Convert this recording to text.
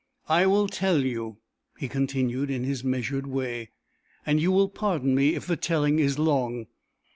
"I will tell you," he continued in his measured way, "and you will pardon me if the telling is long.